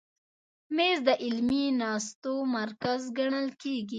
مېز د علمي ناستو مرکز ګڼل کېږي.